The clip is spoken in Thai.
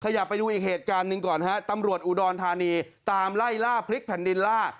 ขยับไปดูอีกเหตุการณ์หนึ่งก่อนฮะตำรวจอุดรธานีตามไล่ล่าพลิกแผ่นดินล่า